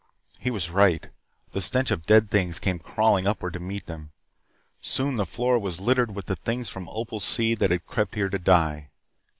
He was right. The stench of dead things came crawling upward to meet them. Soon the floor was littered with the things from Opal's sea that had crept here to die.